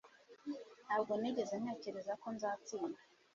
ntabwo nigeze ntekereza ko nzatsinda